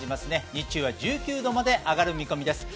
日中は１９度まで上がる見込みです。